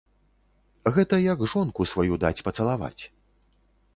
Гэта як жонку сваю даць пацалаваць.